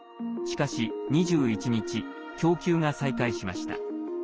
しかし、２１日供給が再開しました。